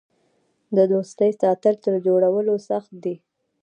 د دوستۍ ساتل تر جوړولو سخت دي.